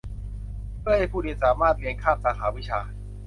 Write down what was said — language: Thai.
เพื่อให้ผู้เรียนสามารถเรียนข้ามสาขาวิชา